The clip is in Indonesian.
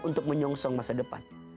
untuk menyongsong masa depan